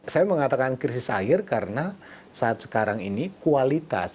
saya mengatakan krisis air karena saat sekarang ini kualitas